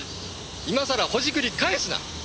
今さらほじくり返すな！